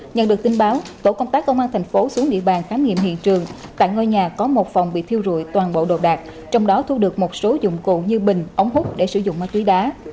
nhận được tin báo tổ công tác công an thành phố xuống địa bàn khám nghiệm hiện trường tại ngôi nhà có một phòng bị thiêu rụi toàn bộ đồ đạc trong đó thu được một số dụng cụ như bình ống hút để sử dụng ma túy đá